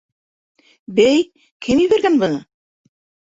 Бәй, кем ебәргән быны?